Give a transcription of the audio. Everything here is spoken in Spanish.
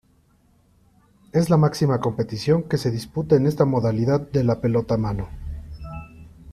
Es la máxima competición que se disputa en esta modalidad de la pelota mano.